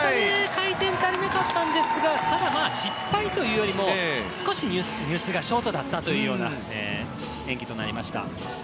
回転足りなかったんですがただ失敗というよりも少し入水がショートだったという演技となりました。